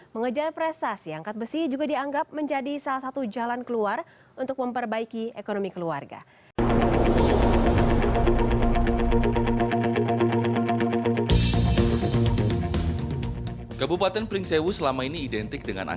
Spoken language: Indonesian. mengejar prestasi angkat besi juga dianggap menjadi salah satu jalan keluar untuk memperbaiki ekonomi keluarga